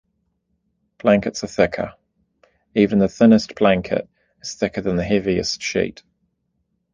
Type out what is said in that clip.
Blankets are thicker; even the thinnest blanket is thicker than the heaviest sheet.